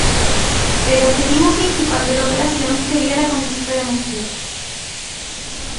El objetivo principal de la operación sería la conquista de Moscú.